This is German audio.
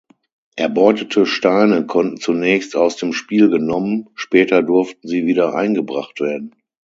Erbeutete Steine konnten zunächst aus dem Spiel genommen, später durften sie wieder eingebracht werden.